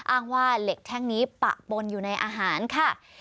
อ้างว่าเหล็กแท่งนี้ปะปนอยู่ในอาหารค่ะ